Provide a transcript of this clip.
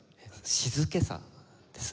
「静けさ」ですね。